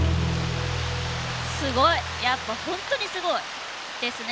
すごい！やっぱ本当にすごいですね！